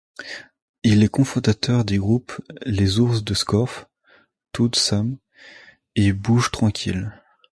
Il est cofondateur des groupes Les Ours du Scorff, Toud'Sames et Bouge Tranquille.